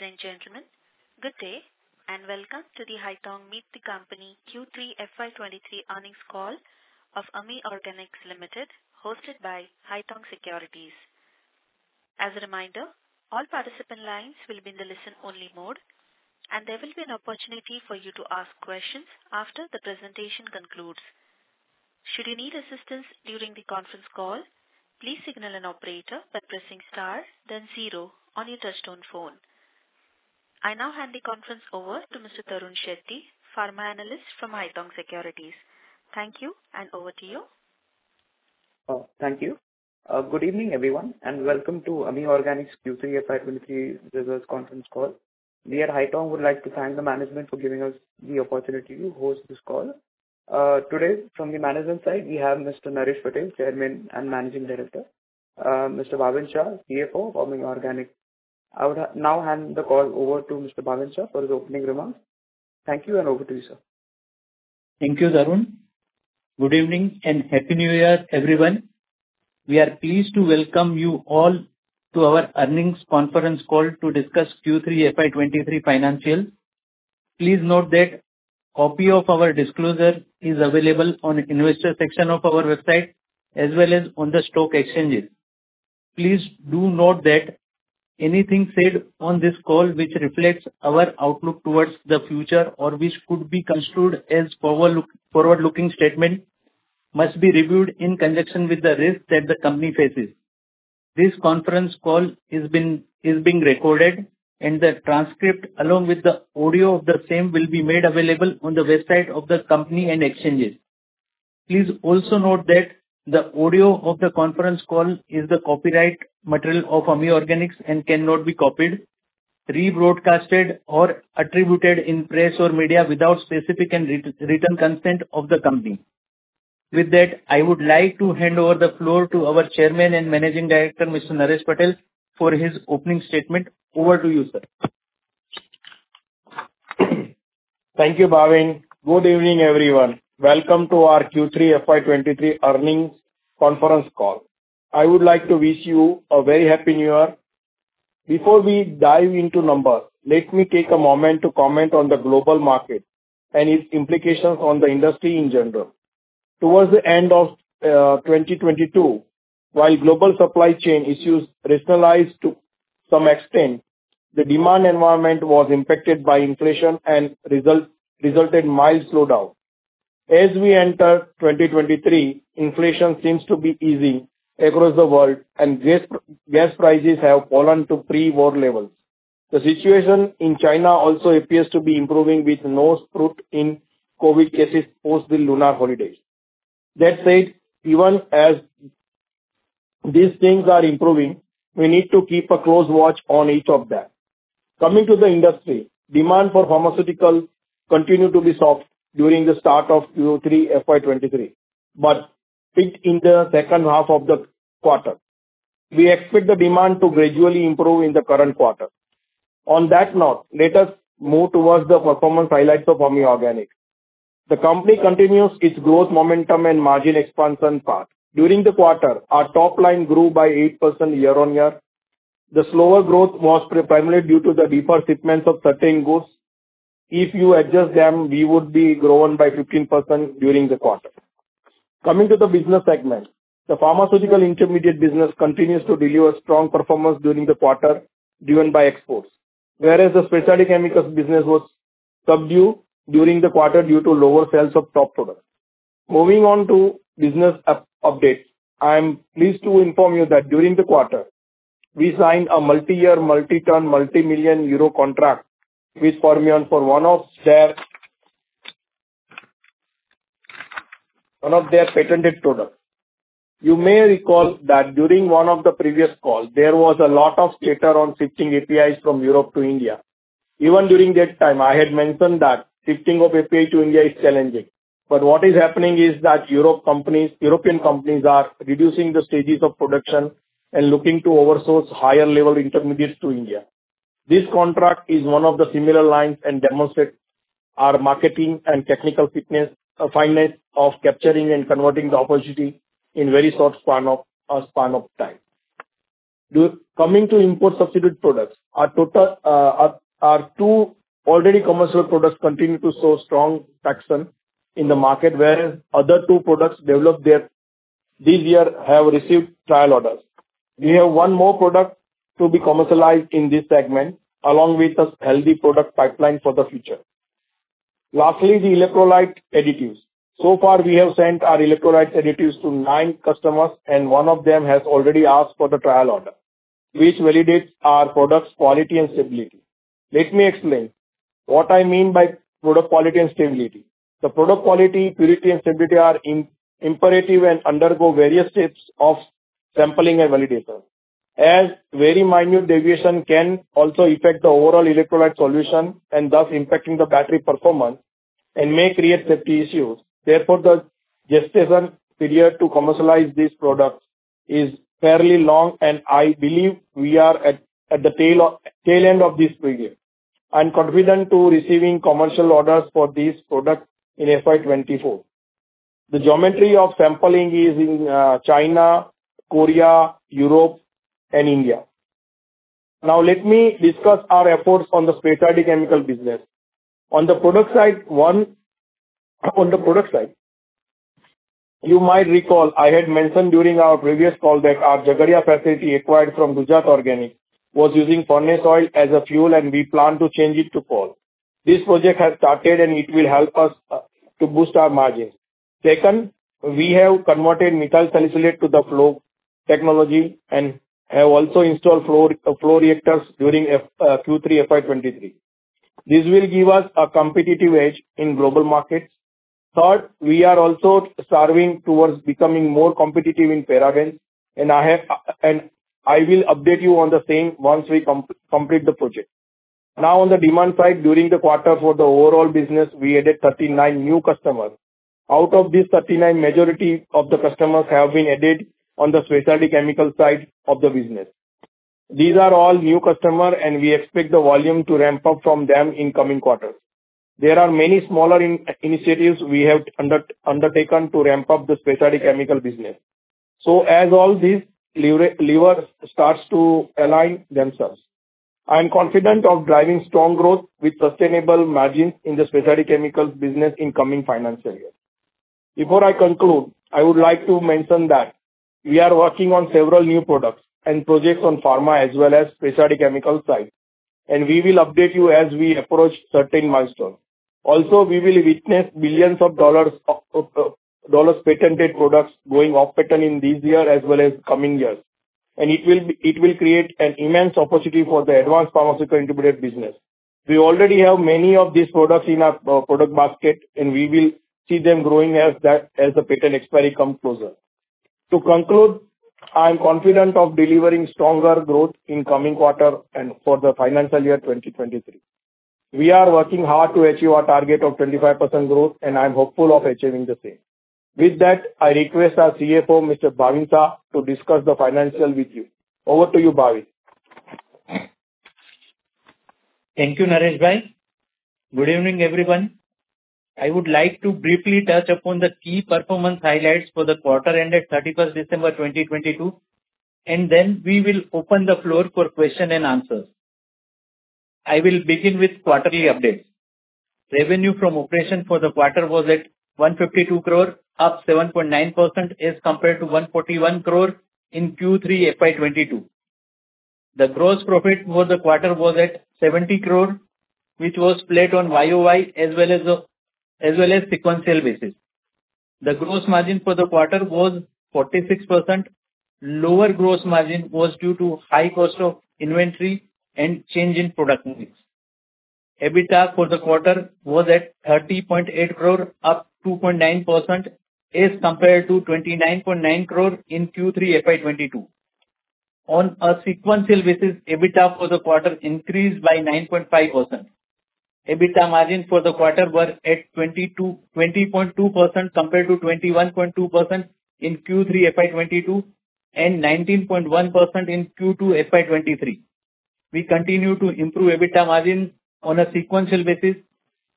Ladies and gentlemen, good day and welcome to the Haitong Meet the Company Q3 FY23 earnings call of Ami Organics Limited, hosted by Haitong Securities. As a reminder, all participant lines will be in the listen-only mode, and there will be an opportunity for you to ask questions after the presentation concludes. Should you need assistance during the conference call, please signal an operator by pressing star, then zero on your touch-tone phone. I now hand the conference over to Mr. Tarun Shetty, pharma analyst from Haitong Securities. Thank you, and over to you. Thank you. Good evening, everyone, and welcome to Ami Organics Q3 FY23 results conference call. We at Haitong would like to thank the management for giving us the opportunity to host this call. Today, from the management side, we have Mr. Naresh Patel, Chairman and Managing Director. Mr. Bhavin Shah, CFO of Ami Organics. I would now hand the call over to Mr. Bhavin Shah for his opening remarks. Thank you, and over to you, sir. Thank you, Tarun. Good evening and Happy New Year, everyone. We are pleased to welcome you all to our earnings conference call to discuss Q3 FY23 financials. Please note that a copy of our disclosure is available on the investor section of our website, as well as on the stock exchanges. Please do note that anything said on this call, which reflects our outlook towards the future or which could be construed as a forward-looking statement, must be reviewed in conjunction with the risks that the company faces. This conference call is being recorded, and the transcript along with the audio of the same will be made available on the website of the company and exchanges. Please also note that the audio of the conference call is the copyright material of Ami Organics and cannot be copied, rebroadcast, or attributed in press or media without specific and written consent of the company. With that, I would like to hand over the floor to our Chairman and Managing Director, Mr. Naresh Patel, for his opening statement. Over to you, sir. Thank you, Bhavin. Good evening, everyone. Welcome to our Q3 FY23 earnings conference call. I would like to wish you a very Happy New Year. Before we dive into numbers, let me take a moment to comment on the global market and its implications on the industry in general. Towards the end of 2022, while global supply chain issues rationalized to some extent, the demand environment was impacted by inflation and resulted in a mild slowdown. As we enter 2023, inflation seems to be easing across the world, and gas prices have fallen to pre-war levels. The situation in China also appears to be improving with no surge in COVID cases post the lunar holidays. That said, even as these things are improving, we need to keep a close watch on each of them. Coming to the industry, demand for pharmaceuticals continued to be soft during the start of Q3 FY23, but peaked in the second half of the quarter. We expect the demand to gradually improve in the current quarter. On that note, let us move towards the performance highlights of Ami Organics. The company continues its growth momentum and margin expansion path. During the quarter, our top line grew by 8% year-on-year. The slower growth was primarily due to the dip in shipments of certain goods. If you adjust them, we would have grown by 15% during the quarter. Coming to the business segment, the pharmaceutical intermediate business continues to deliver strong performance during the quarter driven by exports, whereas the specialty chemicals business was subdued during the quarter due to lower sales of top products. Moving on to business updebts, I am pleased to inform you that during the quarter, we signed a multi-year, multi-ton, multi-million EUR contract with Fermion for one of their patented products. You may recall that during one of the previous calls, there was a lot of chatter on shifting APIs from Europe to India. Even during that time, I had mentioned that shifting of API to India is challenging. But what is happening is that European companies are reducing the stages of production and looking to outsource higher-level intermediates to India. This contract is one of the similar lines and demonstrates our marketing and technical finesse of capturing and converting the opportunity in a very short span of time. Coming to import substitute products, our two already commercial products continue to show strong traction in the market, whereas other two products developed this year have received trial orders. We have one more product to be commercialized in this segment along with a healthy product pipeline for the future. Lastly, the electrolyte additives. So far, we have sent our electrolyte additives to nine customers, and one of them has already asked for the trial order, which validebts our product's quality and stability. Let me explain what I mean by product quality and stability. The product quality, purity, and stability are imperative and undergo various steps of sampling and validation, as very minute deviations can also affect the overall electrolyte solution and thus impact the battery performance and may create safety issues. Therefore, the gestation period to commercialize these products is fairly long, and I believe we are at the tail end of this period. I am confident in receiving commercial orders for these products in FY24. The geometry of sampling is in China, Korea, Europe, and India. Now, let me discuss our efforts on the specific chemical business. On the product side, on the product side, you might recall I had mentioned during our previous call that our Jhagadia facility acquired from Gujarat Organics was using Furnace Oil as a fuel, and we plan to change it to coal. This project has started, and it will help us to boost our margins. Second, we have converted methyl salicylate to the flow technology and have also installed flow reactors during Q3 FY23. This will give us a competitive edge in global markets. Third, we are also striving towards becoming more competitive in parabens, and I will updebt you on the same once we complete the project. Now, on the demand side, during the quarter for the overall business, we added 39 new customers. Out of these 39, the majority of the customers have been added on the specialty chemical side of the business. These are all new customers, and we expect the volume to ramp up from them in coming quarters. There are many smaller initiatives we have undertaken to ramp up the specialty chemical business. So, as all these levers start to align themselves, I am confident in driving strong growth with sustainable margins in the specialty chemicals business in the coming financial year. Before I conclude, I would like to mention that we are working on several new products and projects on pharma as well as the specialty chemical side, and we will updebt you as we approach certain milestones. Also, we will witness $ billions' worth of patented products going off-patent in this year as well as coming years, and it will create an immense opportunity for the advanced pharmaceutical intermediate business. We already have many of these products in our product basket, and we will see them growing as the patent expiry comes closer. To conclude, I am confident in delivering stronger growth in the coming quarter and for the financial year 2023. We are working hard to achieve our target of 25% growth, and I am hopeful of achieving the same. With that, I request our CFO, Mr. Bhavin Shah, to discuss the financials with you. Over to you, Bhavin. Thank you, Nareshbhai. Good evening, everyone. I would like to briefly touch upon the key performance highlights for the quarter ended 31st December 2022, and then we will open the floor for questions and answers. I will begin with quarterly updebts. Revenue from operations for the quarter was at 152 crore, up 7.9% as compared to 141 crore in Q3 FY22. The gross profit for the quarter was at 70 crore, which was flat on YOY as well as sequential basis. The gross margin for the quarter was 46%. Lower gross margin was due to high cost of inventory and change in product mix. EBITDA for the quarter was at 30.8 crore, up 2.9% as compared to 29.9 crore in Q3 FY22. On a sequential basis, EBITDA for the quarter increased by 9.5%. EBITDA margins for the quarter were at 20.2% compared to 21.2% in Q3 FY22 and 19.1% in Q2 FY23. We continue to improve EBITDA margins on a sequential basis.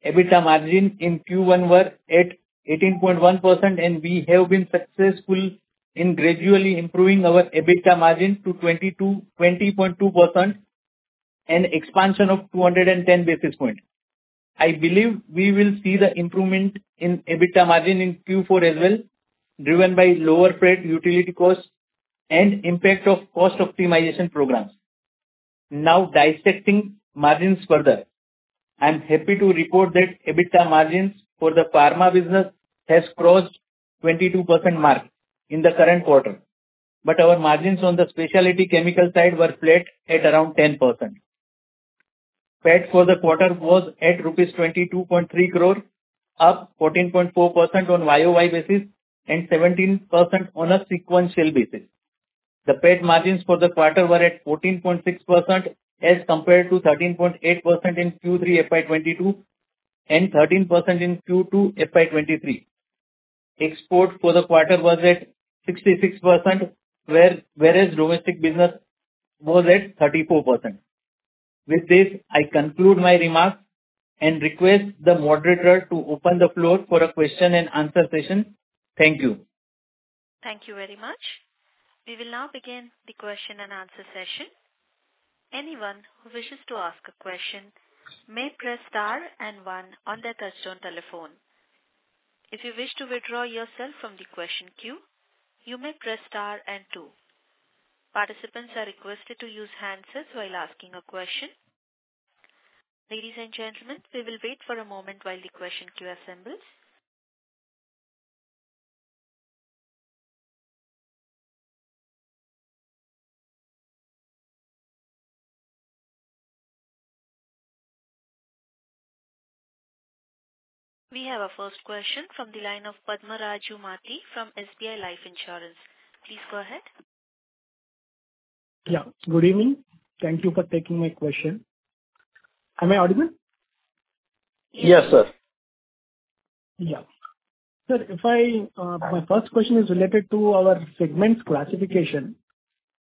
EBITDA margins in Q1 were at 18.1%, and we have been successful in gradually improving our EBITDA margin to 20.2% and an expansion of 210 basis points. I believe we will see the improvement in EBITDA margin in Q4 as well, driven by lower freight utility costs and the impact of cost optimization programs. Now, dissecting margins further, I am happy to report that EBITDA margins for the pharma business have crossed the 22% mark in the current quarter, but our margins on the specialty chemical side were flat at around 10%. PAT for the quarter was at rupees 22.3 crore, up 14.4% on a YOY basis and 17% on a sequential basis. The PAT margins for the quarter were at 14.6% as compared to 13.8% in Q3 FY22 and 13% in Q2 FY23. Exports for the quarter were at 66%, whereas the domestic business was at 34%. With this, I conclude my remarks and request the moderator to open the floor for a question-and-answer session. Thank you. Thank you very much. We will now begin the question-and-answer session. Anyone who wishes to ask a question may press star and one on their touch-tone telephone. If you wish to withdraw yourself from the question queue, you may press star and two. Participants are requested to use hands-free while asking a question. Ladies and gentlemen, we will wait for a moment while the question queue assembles. We have a first question from the line of Padmaraj Mati from SBI Life Insurance. Please go ahead. Yeah. Good evening. Thank you for taking my question. Am I audible? Yes, sir. Yeah. Sir, my first question is related to our segments classification.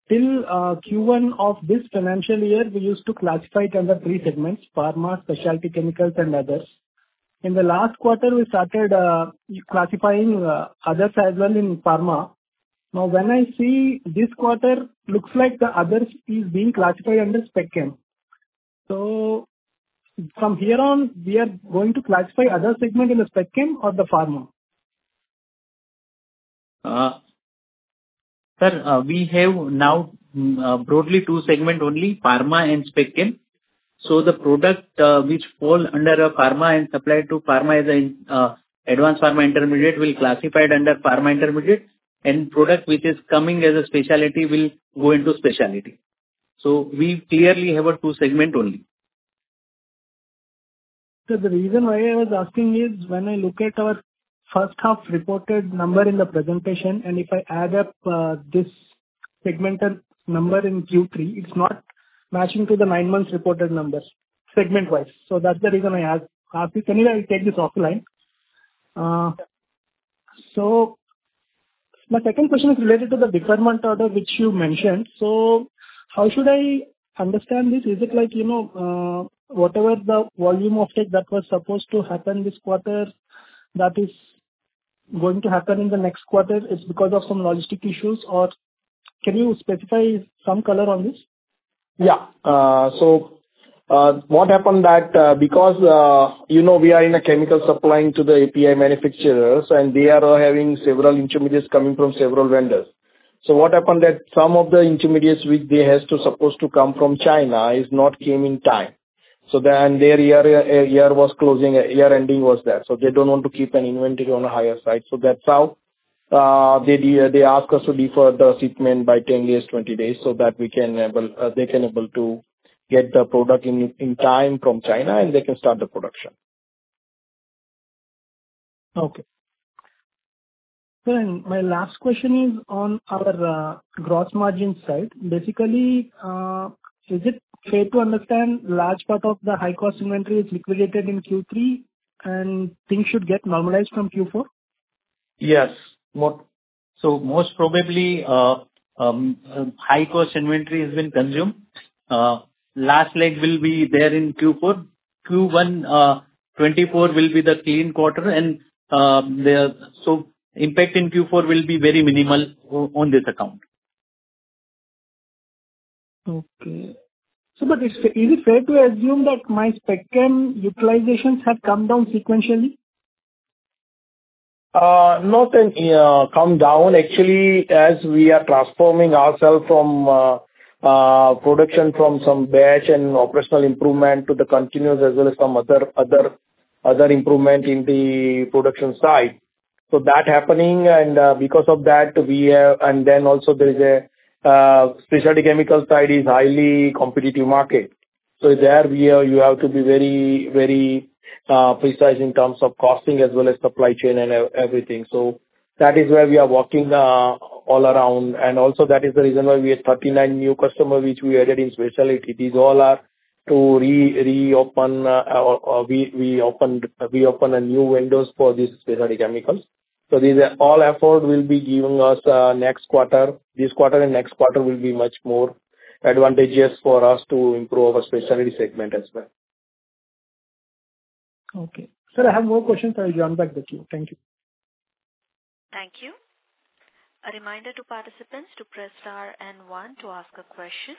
Till Q1 of this financial year, we used to classify it under three segments: pharma, specialty chemicals, and others. In the last quarter, we started classifying others as well in pharma. Now, when I see this quarter, it looks like the others are being classified under specchem. So, from here on, we are going to classify other segments in the specchem or the pharma? Sir, we have now broadly two segments only: pharma and specchem. So, the products which fall under pharma and supply to pharma as an advanced pharma intermediate will be classified under pharma intermediate, and the product which is coming as a specialty will go into specialty. So, we clearly have two segments only. Sir, the reason why I was asking is when I look at our first-half reported number in the presentation, and if I add up this segmental number in Q3, it's not matching to the nine-month reported numbers segment-wise. So, that's the reason I asked. Anyway, I'll take this offline. So, my second question is related to the deferment order which you mentioned. So, how should I understand this? Is it like whatever the volume of take that was supposed to happen this quarter that is going to happen in the next quarter, it's because of some logistic issues, or can you specify some color on this? Yeah. So, what happened is that because we are in a chemical supplying to the API manufacturers, and they are having several intermediates coming from several vendors. So, what happened is that some of the intermediates which they are supposed to come from China did not come in time. So, then their year-ending was there. So, they don't want to keep an inventory on a higher side. So, that's how they asked us to defer the shipment by 10 days, 20 days, so that they can be able to get the product in time from China, and they can start the production. Okay. Sir, and my last question is on our gross margin side. Basically, is it fair to understand that a large part of the high-cost inventory is liquidebtd in Q3, and things should get normalized from Q4? Yes. So, most probably, high-cost inventory has been consumed. The last leg will be there in Q4. Q1 2024 will be the clean quarter, and so, the impact in Q4 will be very minimal on this account. Okay. Sir, but is it fair to assume that my specchem utilizations have come down sequentially? Not come down. Actually, as we are transforming ourselves from production from some batch and operational improvement to the continuous as well as some other improvement in the production side. So, that's happening, and because of that, we have and then also, the specific chemical side is a highly competitive market. So, there, you have to be very, very precise in terms of costing as well as supply chain and everything. So, that is where we are working all around, and also, that is the reason why we have 39 new customers which we added in specialty. These all are to reopen we opened new windows for these specific chemicals. So, all efforts will be given us next quarter. This quarter and next quarter will be much more advantageous for us to improve our specialty segment as well. Okay. Sir, I have more questions. I will join back the queue. Thank you. Thank you. A reminder to participants to press star and one to ask a question.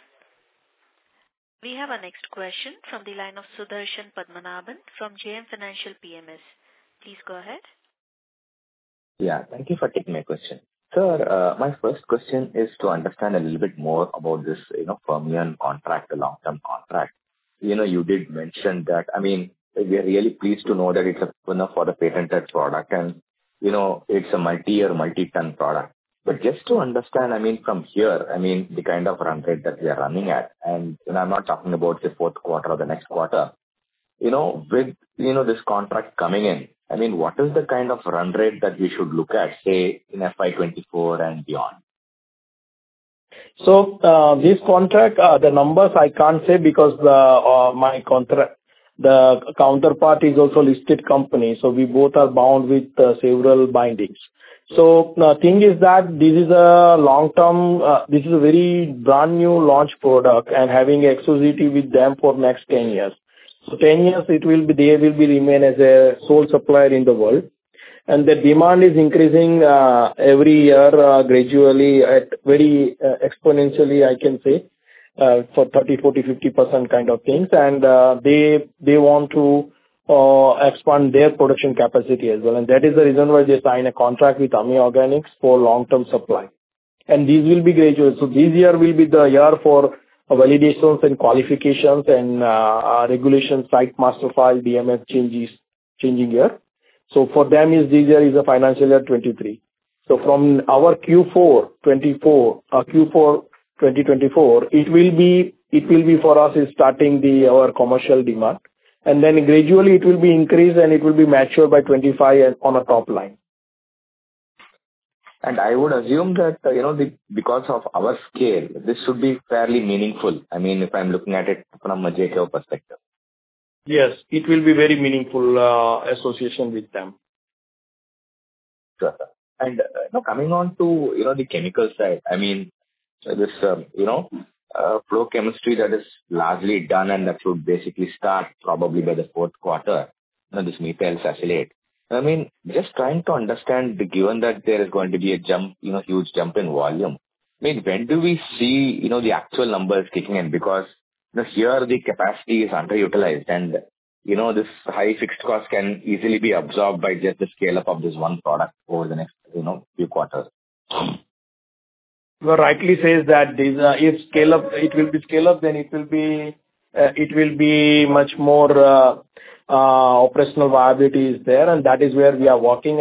We have a next question from the line of Sudarshan Padmanabhan from JM Financial PMS. Please go ahead. Yeah. Thank you for taking my question. Sir, my first question is to understand a little bit more about this Fermion contract, the long-term contract. You did mention that I mean, we are really pleased to know that it's an opener for the patented product, and it's a multiyear, multi-ton product. But just to understand, I mean, from here, I mean, the kind of run rate that we are running at, and I'm not talking about the fourth quarter or the next quarter, with this contract coming in, I mean, what is the kind of run rate that we should look at, say, in FY24 and beyond? So, this contract, the numbers, I can't say because my counterparty is also a listed company, so we both are bound with several bindings. So, the thing is that this is a long-term. This is a very brand-new launch product and having exclusivity with them for the next 10 years. So, 10 years, they will remain as a sole supplier in the world, and the demand is increasing every year gradually at very exponentially, I can say, for 30%, 40%, 50% kind of things. And they want to expand their production capacity as well, and that is the reason why they signed a contract with Ami Organics for long-term supply. And this will be gradual. So, this year will be the year for validations and qualifications and regulatory Site Master File, DMF changing year. So, for them, this year is financial year 2023. From our Q4 2024, Q4 2024, it will be for us starting our commercial demand, and then gradually, it will be increased, and it will be matured by 2025 on a top line. I would assume that because of our scale, this should be fairly meaningful. I mean, if I'm looking at it from a uncertain perspective. Yes. It will be a very meaningful association with them. Sure, sir. And coming on to the chemical side, I mean, this flow chemistry that is largely done and that should basically start probably by the fourth quarter, this methyl salicylate, I mean, just trying to understand, given that there is going to be a huge jump in volume, I mean, when do we see the actual numbers kicking in? Because here, the capacity is underutilized, and this high fixed cost can easily be absorbed by just the scale-up of this one product over the next few quarters. You rightly say that if it will be scale-up, then it will be much more operational viability is there, and that is where we are working.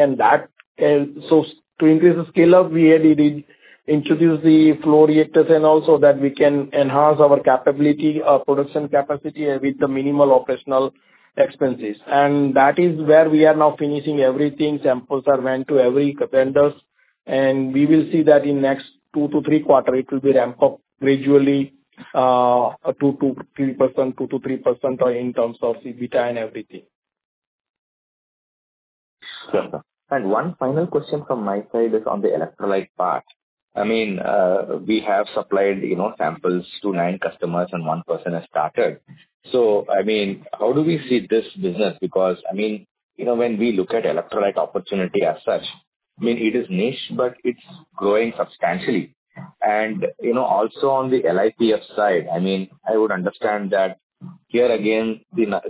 So, to increase the scale-up, we introduced the flow reactors and also that we can enhance our production capacity with the minimal operational expenses. And that is where we are now finishing everything. Samples are sent to every vendor, and we will see that in the next two to three quarters, it will be ramped up gradually at 2%-3%, 2%-3% in terms of EBITDA and everything. Sure, sir. One final question from my side is on the electrolyte part. I mean, we have supplied samples to nine customers, and one person has started. So, I mean, how do we see this business? Because, I mean, when we look at electrolyte opportunity as such, I mean, it is niche, but it's growing substantially. And also, on the LiPF6 side, I mean, I would understand that here again, the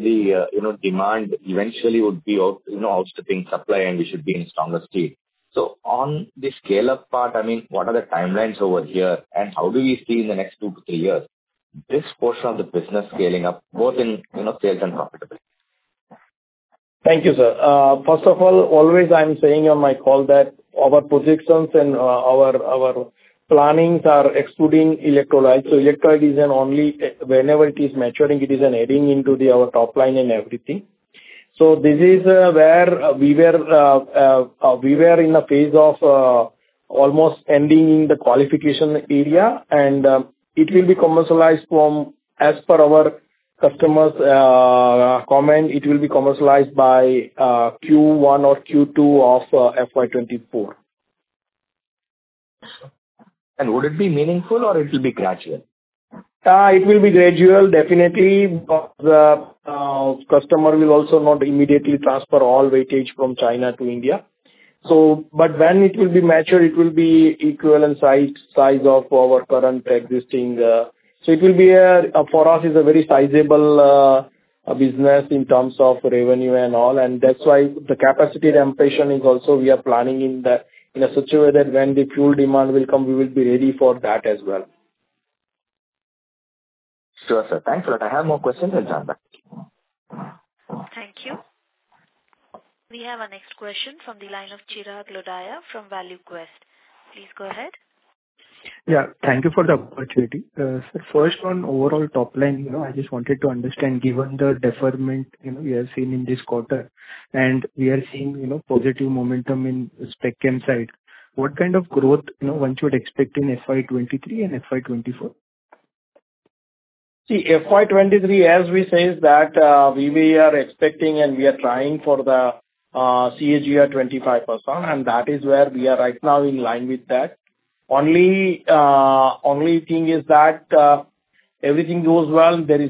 demand eventually would be outstripping supply, and we should be in stronger steel. So, on the scale-up part, I mean, what are the timelines over here, and how do we see in the next two to three years this portion of the business scaling up both in sales and profitability? Thank you, sir. First of all, always, I'm saying on my call that our projections and our planning are excluding electrolytes. So, electrolyte is only whenever it is maturing; it is adding into our top line and everything. So, this is where we were in the phase of almost ending the qualification area, and it will be commercialized from, as per our customer's comment, it will be commercialized by Q1 or Q2 of FY 2024. Would it be meaningful, or it will be gradual? It will be gradual, definitely, because the customer will also not immediately transfer all weightage from China to India. But when it will be matured, it will be equivalent size of our current existing so. For us, it is a very sizable business in terms of revenue and all, and that's why the capacity temptation is also we are planning in a such way that when the fuel demand will come, we will be ready for that as well. Sure, sir. Thanks a lot. I have more questions. I'll join back the queue. Thank you. We have a next question from the line of Chirag Lodaya from ValueQuest. Please go ahead. Yeah. Thank you for the opportunity. Sir, first on overall top line, I just wanted to understand, given the deferment we have seen in this quarter, and we are seeing positive momentum in specchem side, what kind of growth one should expect in FY23 and FY24? See, FY23, as we say, is that we are expecting and we are trying for the CAGR 25%, and that is where we are right now in line with that. The only thing is that everything goes well. There are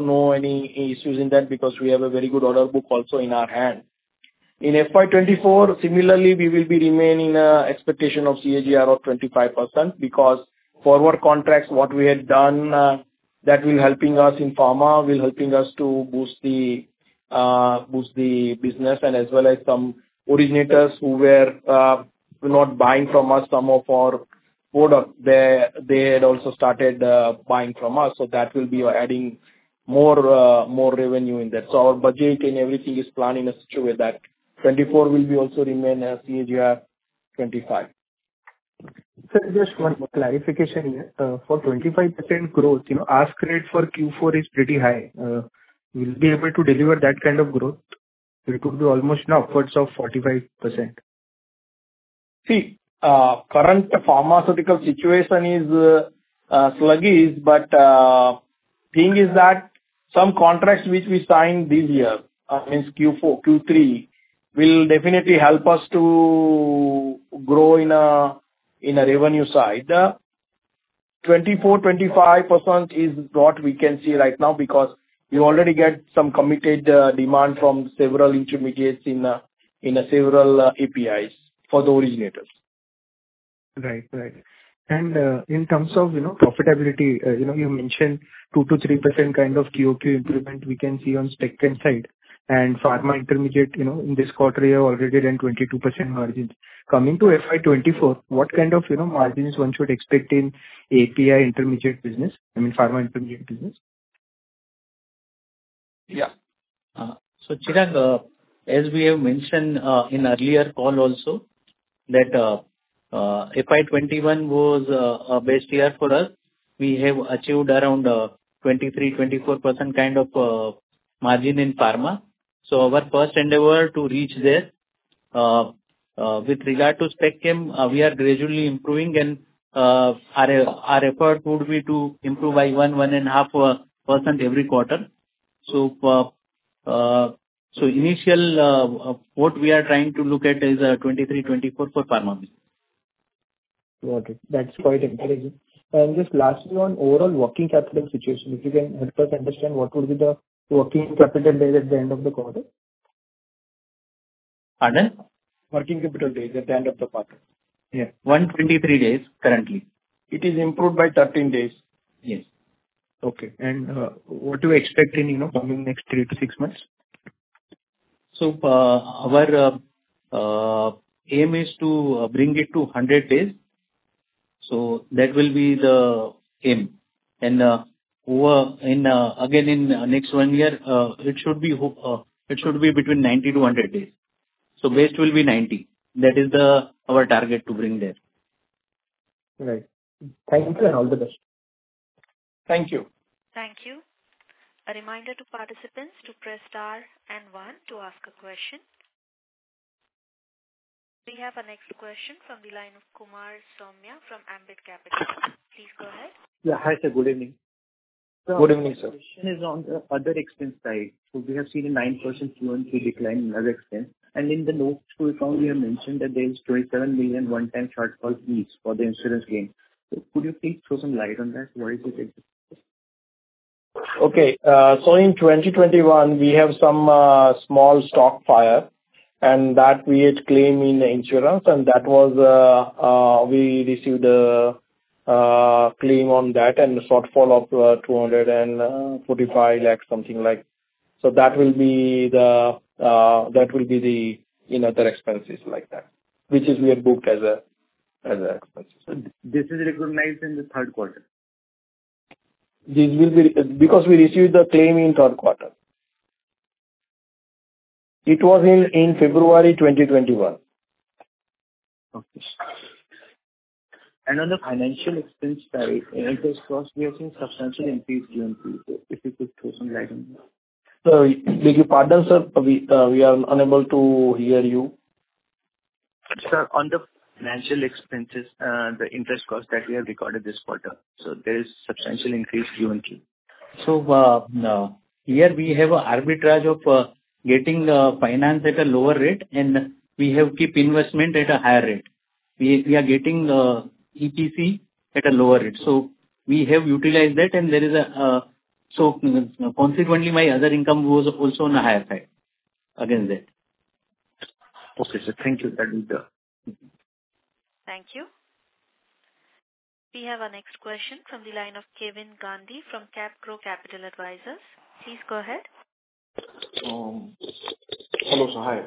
no any issues in that because we have a very good order book also in our hands. In FY24, similarly, we will remain in expectation of CAGR of 25% because forward contracts, what we had done that will be helping us in pharma, will be helping us to boost the business, and as well as some originators who were not buying from us some of our products, they had also started buying from us. So, that will be adding more revenue in that. So, our budget and everything is planned in a such way that 24 will also remain a CAGR 25%. Sir, just one clarification here. For 25% growth, the ask rate for Q4 is pretty high. Will we be able to deliver that kind of growth? It could be almost now upwards of 45%. See, the current pharmaceutical situation is sluggish, but the thing is that some contracts which we signed this year, I mean, Q3, will definitely help us to grow in the revenue side. The 24%-25% is what we can see right now because we already get some committed demand from several intermediates in several APIs for the originators. Right, right. And in terms of profitability, you mentioned 2%-3% kind of QOQ improvement we can see on specchem side, and pharma intermediate in this quarter already earned 22% margins. Coming to FY2024, what kind of margins one should expect in API intermediate business, I mean, pharma intermediate business? Yeah. So, Chirag, as we have mentioned in earlier call also that FY21 was a best year for us, we have achieved around 23%-24% kind of margin in pharma. So, our first endeavor to reach there, with regard to specchem, we are gradually improving, and our effort would be to improve by 1%-1.5% every quarter. So, initially, what we are trying to look at is 23%-24% for pharma business. Got it. That's quite encouraging. And just lastly, on overall working capital situation, if you can help us understand, what would be the working capital days at the end of the quarter? Pardon? Working capital days at the end of the quarter. Yeah. 123 days currently. It is improved by 13 days. Yes. Okay. What do you expect in coming next 3-6 months? Our aim is to bring it to 100 days. That will be the aim. And again, in the next 1 year, it should be between 90-100 days. Base will be 90. That is our target to bring there. Right. Thank you, and all the best. Thank you. Thank you. A reminder to participants to press star and one to ask a question. We have a next question from the line of Kumar Saumya from Ambit Capital. Please go ahead. Yeah. Hi, sir. Good evening. Good evening, sir. So, the question is on the other expense side. So, we have seen a 9% Q-o-Q decline in other expense, and in the notes, we found we have mentioned that there is 27 million one-time shortfall fees for the insurance claim. So, could you please throw some light on that? Why is it? Okay. So, in 2021, we have some small stockfire, and that we had claimed in the insurance, and we received a claim on that and a shortfall of 245 lakhs, something like. So, that will be the that will be the other expenses like that, which we had booked as expenses. This is recognized in the third quarter? This will be because we received the claim in third quarter. It was in February 2021. Okay. And on the financial expense side, interest costs, we are seeing substantial increase Q-o-Qo. If you could throw some light on that? Sir, did you pardon, sir? We are unable to hear you. Sir, on the financial expenses, the interest costs that we have recorded this quarter, so there is a substantial increase Q-o-Qo. Here, we have an arbitrage of getting finance at a lower rate, and we have kept investment at a higher rate. We are getting EPC at a lower rate. So, we have utilized that, and there is, consequently, my other income was also on the higher side against that. Okay, sir. Thank you. That will be the. Thank you. We have a next question from the line of Kavan Gandhi from CapGrow Capital Advisors. Please go ahead. Hello, sir. Hi.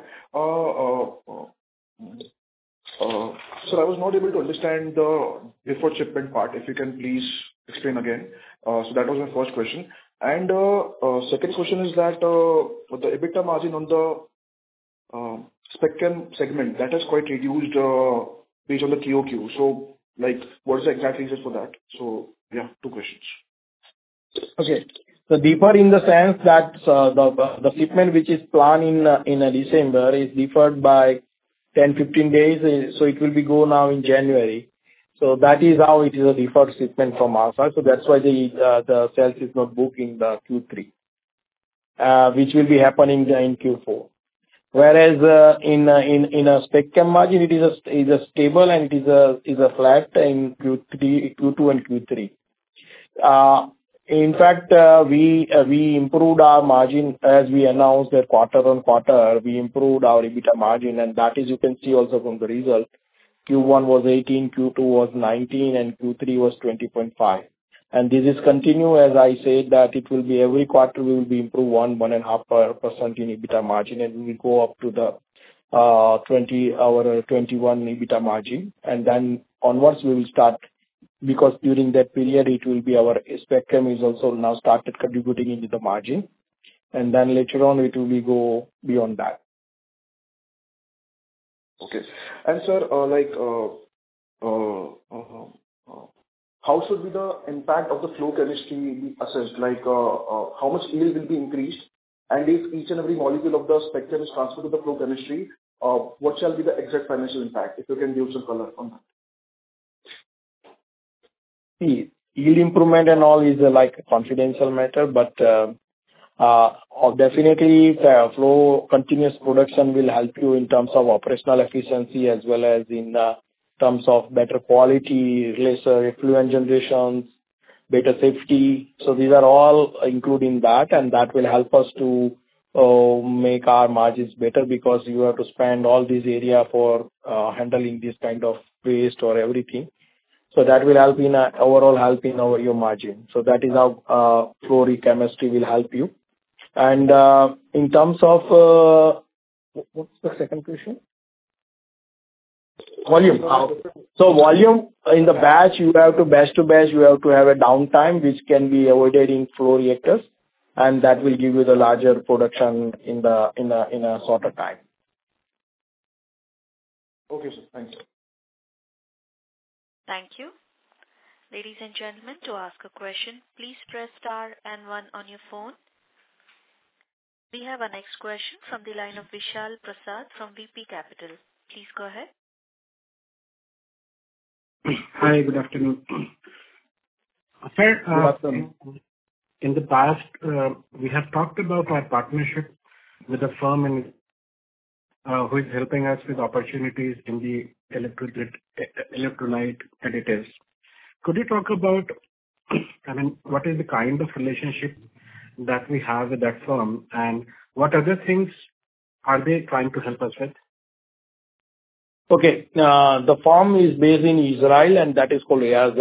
Sir, I was not able to understand the before shipment part. If you can please explain again. So, that was my first question. And the second question is that the EBITDA margin on the specchem segment, that has quite reduced based on the QOQ. So, what is the exact reason for that? So, yeah, two questions. Okay. So, deferred in the sense that the shipment which is planned in December is deferred by 10-15 days, so it will go now in January. So, that is how it is a deferred shipment from our side. So, that's why the sales is not booked in the Q3, which will be happening in Q4. Whereas in a specchem margin, it is stable, and it is flat in Q2 and Q3. In fact, we improved our margin as we announced that quarter on quarter, we improved our EBITDA margin, and that is you can see also from the result. Q1 was 18%, Q2 was 19%, and Q3 was 20.5%. And this is continued, as I said, that it will be every quarter, we will be improved 1-1.5% in EBITDA margin, and we will go up to our 21% EBITDA margin. And then onwards, we will start because during that period, our specchem is also now started contributing into the margin, and then later on, it will go beyond that. Okay. And, sir, how should the impact of the flow chemistry be assessed? How much yield will be increased? And if each and every molecule of the specchem is transferred to the flow chemistry, what shall be the exact financial impact? If you can give some color on that. See, yield improvement and all is a confidential matter, but definitely, flow continuous production will help you in terms of operational efficiency as well as in terms of better quality, less fluid generations, better safety. So, these are all included in that, and that will help us to make our margins better because you have to spend all this area for handling this kind of waste or everything. So, that will help in overall helping your margin. So, that is how flow reactor chemistry will help you. And in terms of what's the second question? Volume. So, volume in the batch, you have to batch to batch, you have to have a downtime, which can be avoided in flow reactors, and that will give you the larger production in a shorter time. Okay, sir. Thanks. Thank you. Ladies and gentlemen, to ask a question, please press star and one on your phone. We have a next question from the line of Vishal Prasad from VP Capital. Please go ahead. Hi. Good afternoon. Sir, in the past, we have talked about our partnership with a firm who is helping us with opportunities in the electrolyte additives. Could you talk about, I mean, what is the kind of relationship that we have with that firm, and what other things are they trying to help us with? Okay. The firm is based in Israel, and that is called Raz,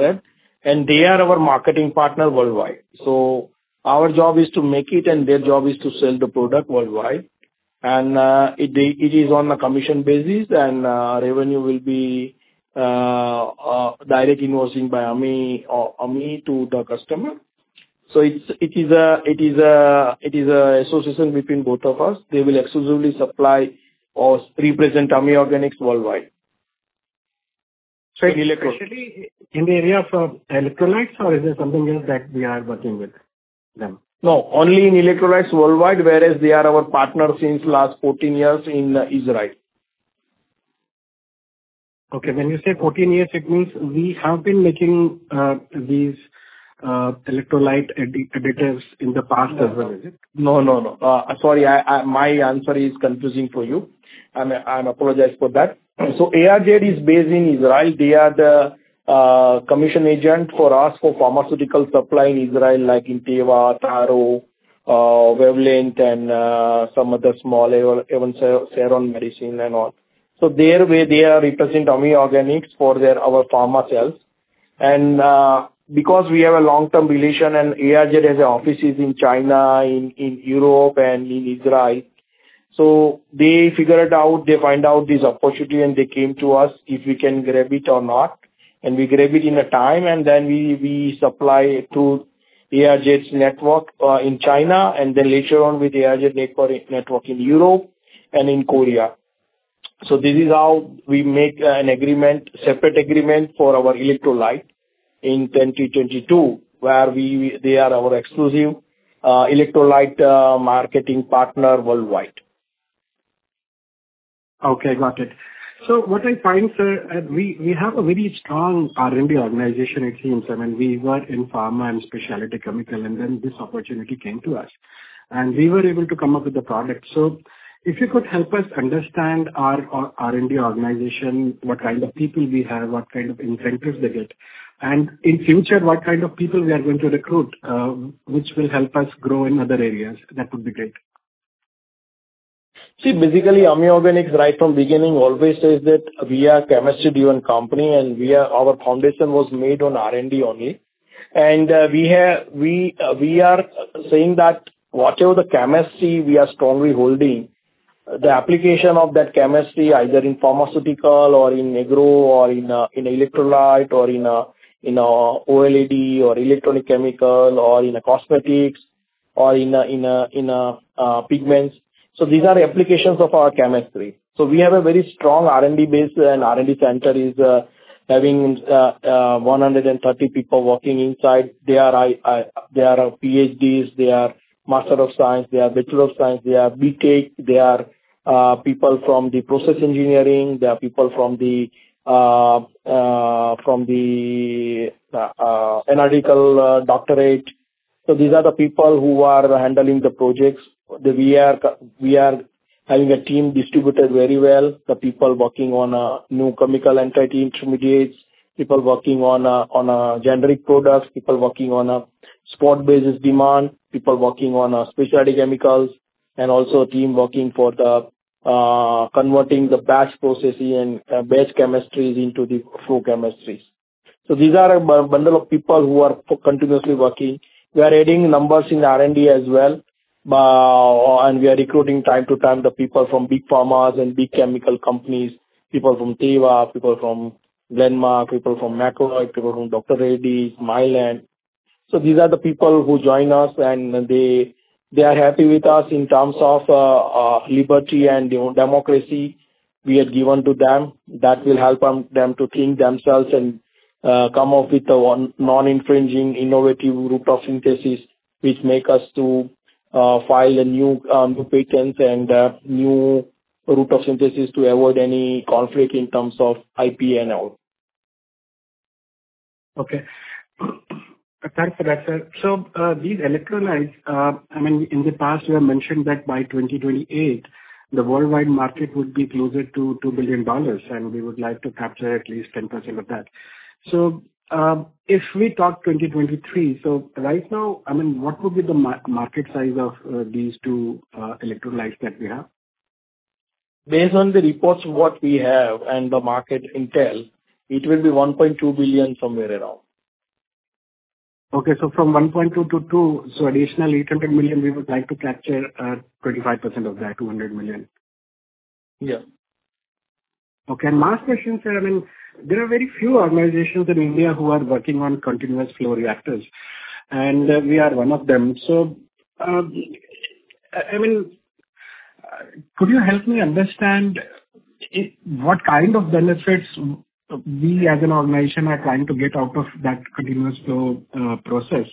and they are our marketing partner worldwide. So, our job is to make it, and their job is to sell the product worldwide. And it is on a commission basis, and revenue will be direct invoicing by Ami to the customer. So, it is an association between both of us. They will exclusively supply or represent Ami Organics worldwide. So, especially in the area of electrolytes, or is there something else that we are working with them? No, only in electrolytes worldwide, whereas they are our partner since the last 14 years in Israel. Okay. When you say 14 years, it means we have been making these electrolyte additives in the past as well, is it? No, no, no. Sorry, my answer is confusing for you. I apologize for that. So, Raz Chemicals is based in Israel. They are the commission agent for us for pharmaceutical supply in Israel, like Teva, Taro, Wavelength, and some other small, even Sharon Laboratories and all. So, their way, they represent Ami Organics for our pharma sales. And because we have a long-term relation, and Raz Chemicals has offices in China, in Europe, and in Israel, so they figured it out. They found out this opportunity, and they came to us if we can grab it or not. And we grab it in time, and then we supply through Raz Chemicals's network in China, and then later on with Raz Chemicals network in Europe and in Korea. So, this is how we make an agreement, separate agreement for our electrolyte in 2022, where they are our exclusive electrolyte marketing partner worldwide. Okay. Got it. So, what I find, sir, we have a very strong R&D organization, it seems. I mean, we work in pharma and specialty chemical, and then this opportunity came to us, and we were able to come up with the product. So, if you could help us understand our R&D organization, what kind of people we have, what kind of incentives they get, and in future, what kind of people we are going to recruit, which will help us grow in other areas, that would be great. See, basically, Ami Organics, right from the beginning, always says that we are a chemistry-driven company, and our foundation was made on R&D only. We are saying that whatever the chemistry we are strongly holding, the application of that chemistry, either in pharmaceutical or in agro or in electrolyte or in OLED or electronic chemical or in cosmetics or in pigments. So, these are applications of our chemistry. So, we have a very strong R&D base, and R&D center is having 130 people working inside. They are PhDs. They are masters of science. They are bachelors of science. They are BTech. They are people from the process engineering. They are people from the analytical doctorate. So, these are the people who are handling the projects. We are having a team distributed very well, the people working on new chemical entity intermediates, people working on a generic product, people working on a spot-basis demand, people working on specialty chemicals, and also a team working for converting the batch processes and batch chemistries into the flow chemistries. So, these are a bundle of people who are continuously working. We are adding numbers in R&D as well, and we are recruiting time to time the people from big pharmas and big chemical companies, people from Teva, people from Glenmark, people from Macleods, people from Dr. Reddy's, Mylan. So, these are the people who join us, and they are happy with us in terms of liberty and democracy we had given to them. That will help them to think themselves and come up with a non-infringing innovative route of synthesis, which makes us file a new patent and a new route of synthesis to avoid any conflict in terms of IP and all. Okay. Thanks for that, sir. So, these electrolytes, I mean, in the past, you have mentioned that by 2028, the worldwide market would be closer to $2 billion, and we would like to capture at least 10% of that. So, if we talk 2023, so right now, I mean, what would be the market size of these two electrolytes that we have? Based on the reports of what we have and the market intel, it will be $1.2 billion somewhere around. Okay. So, from 1.2-2, so additional 800 million, we would like to capture 25% of that, 200 million. Yeah. Okay. Last question, sir, I mean, there are very few organizations in India who are working on continuous flow reactors, and we are one of them. So, I mean, could you help me understand what kind of benefits we, as an organization, are trying to get out of that continuous flow process?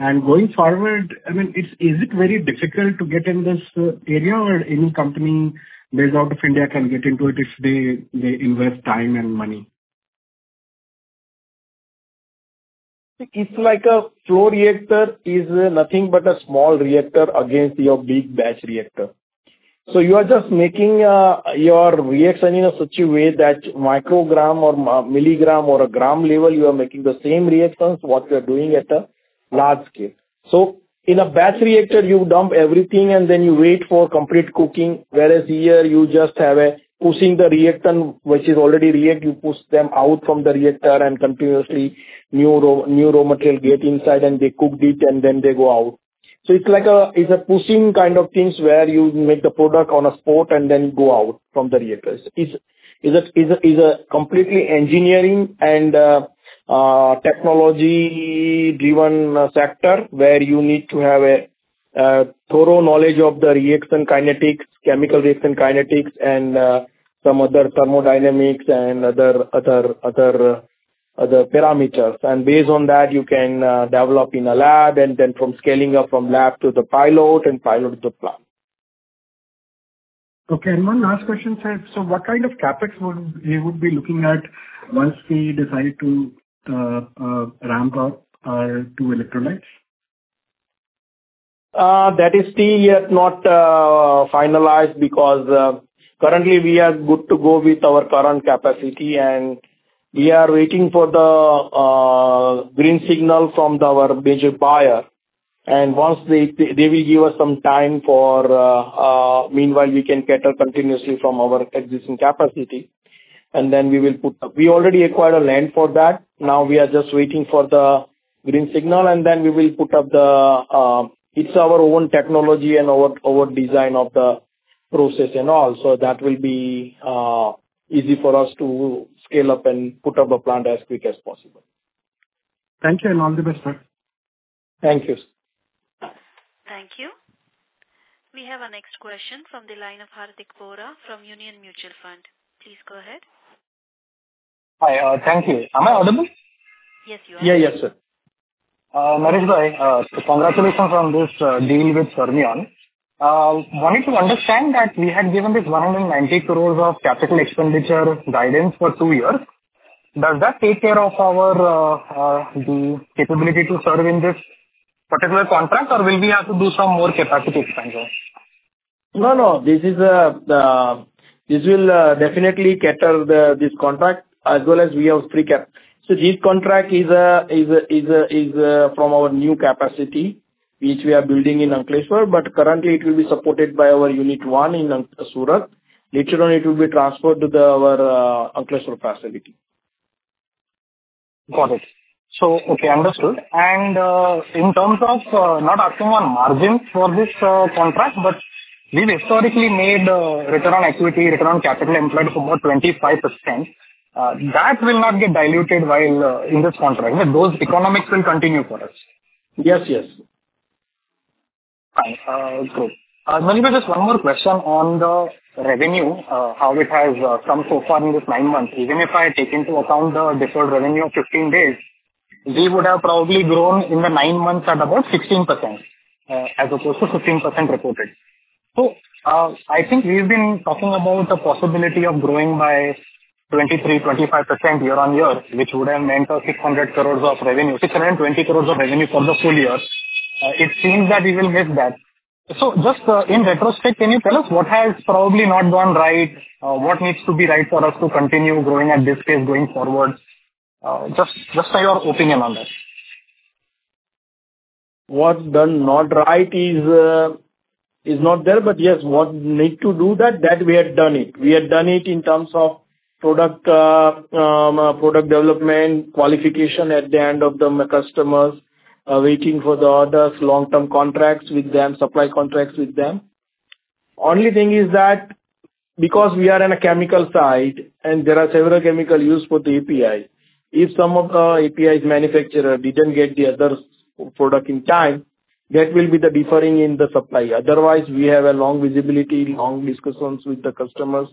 And going forward, I mean, is it very difficult to get in this area, or any company based out of India can get into it if they invest time and money? It's like a flow reactor is nothing but a small reactor against your big batch reactor. So, you are just making your reaction in such a way that microgram or milligram or a gram level, you are making the same reactions what you are doing at a large scale. So, in a batch reactor, you dump everything, and then you wait for complete cooking, whereas here, you just have pushing the reactor, which is already react. You push them out from the reactor, and continuously, new raw material gets inside, and they cook it, and then they go out. So, it's like a pushing kind of things where you make the product on a spot and then go out from the reactor. It's a completely engineering and technology-driven sector where you need to have a thorough knowledge of the reaction kinetics, chemical reaction kinetics, and some other thermodynamics and other parameters. Based on that, you can develop in a lab and then from scaling up from lab to the pilot and pilot to the plant. Okay. One last question, sir. What kind of CapEx would we be looking at once we decide to ramp up our two electrolytes? That is still yet not finalized because currently, we are good to go with our current capacity, and we are waiting for the green signal from our major buyer. Once they will give us some time, meanwhile, we can cater continuously from our existing capacity, and then we will put up. We already acquired a land for that. Now, we are just waiting for the green signal, and then we will put up the. It's our own technology and our design of the process and all. So, that will be easy for us to scale up and put up a plant as quick as possible. Thank you, and all the best, sir. Thank you. Thank you. We have a next question from the line of Hardik Bora from Union Mutual Fund. Please go ahead. Hi. Thank you. Am I audible? Yes, you are. Yeah, yes, sir. Nareshbhai, congratulations on this deal with Fermion. Wanted to understand that we had given this 190 crore of capital expenditure guidance for two years. Does that take care of the capability to serve in this particular contract, or will we have to do some more capacity expansion? No, no. This will definitely cater this contract as well as we have pre-capped. So, this contract is from our new capacity, which we are building in Ankleshwar, but currently, it will be supported by our unit one in Surat. Later on, it will be transferred to our Ankleshwar facility. Got it. So, okay, understood. And in terms of not asking on margins for this contract, but we've historically made return on equity, return on capital employed for more than 25%. That will not get diluted while in this contract. Those economics will continue for us. Yes, yes. Fine. Good. Nareshbhai, just one more question on the revenue, how it has come so far in these nine months. Even if I take into account the deferred revenue of 15 days, we would have probably grown in the nine months at about 16% as opposed to 15% reported. So, I think we've been talking about the possibility of growing by 23%-25% year-on-year, which would have meant 600 crore of revenue, 620 crore of revenue for the full year. It seems that we will miss that. So, just in retrospect, can you tell us what has probably not gone right, what needs to be right for us to continue growing at this pace going forward? Just your opinion on that. What's done not right is not there, but yes, what needs to do that, that we had done it. We had done it in terms of product development, qualification at the end of the customers, waiting for the orders, long-term contracts with them, supply contracts with them. The only thing is that because we are on a chemical side, and there are several chemicals used for the API, if some of the API manufacturers didn't get the other product in time, that will be the deferral in the supply. Otherwise, we have a long visibility, long discussions with the customers,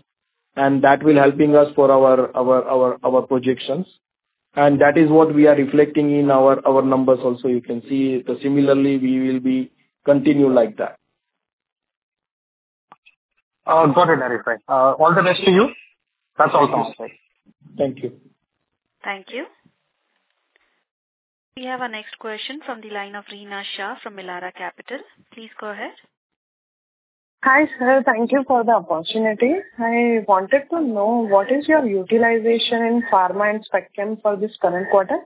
and that will be helping us for our projections. And that is what we are reflecting in our numbers also. You can see similarly, we will continue like that. Got it, Nareshbhai. All the best to you. That's all from us, sir. Thank you. Thank you. We have a next question from the line of Reena Verma from Elara Capital. Please go ahead. Hi, sir. Thank you for the opportunity. I wanted to know, what is your utilization in pharma and spectrum for this current quarter?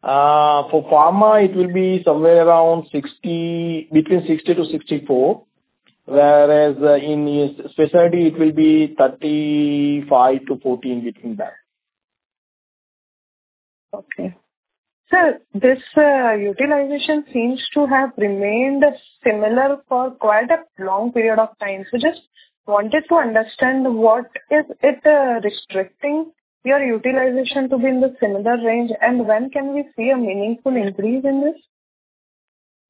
For pharma, it will be somewhere around between 60-64, whereas in specialty, it will be 35-14 between that. Okay. Sir, this utilization seems to have remained similar for quite a long period of time. Just wanted to understand, what is it restricting your utilization to be in the similar range, and when can we see a meaningful increase in this?